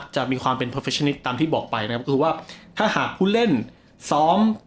จะมีความเป็นตามที่บอกไปนะครับคือว่าถ้าหากผู้เล่นซ้อม